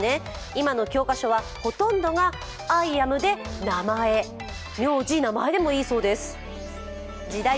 今の教科書はほとんどが「アイアム」で名前、名字・名前でもいいそうです。